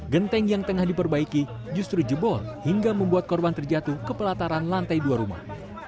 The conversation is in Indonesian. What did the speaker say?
genteng yang tengah diperbaiki justru jebol hingga membuat korban terjatuh ke pelataran lantai dua rumah